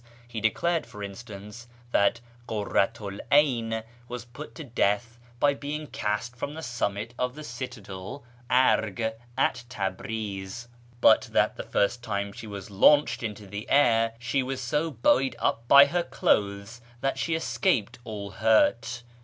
He declared, for instance, that Kurratu '1 'Ayn was put to death by being cast from the summit of the Citadel {Arg) at Tabriz, but that the first time she was launched into the air she was so buoyed up by her clothes that she escaped all hurt.